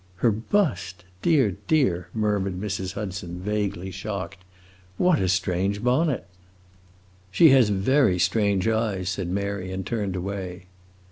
"Her bust? Dear, dear!" murmured Mrs. Hudson, vaguely shocked. "What a strange bonnet!" "She has very strange eyes," said Mary, and turned away.